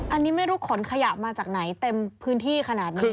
อันนี้ไม่รู้ขนขยะมาจากไหนเต็มพื้นที่ขนาดนี้